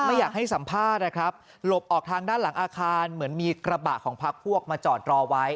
ไม่อยากให้สัมภาษณ์นะครับหลบออกทางด้านหลังอาคารเหมือนมีกระบะของพักพวกมาจอดรอไว้